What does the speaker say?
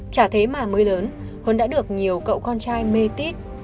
chả thế mà mới lớn huấn đã được nhiều cậu con trai mê tít